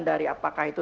dari apakah itu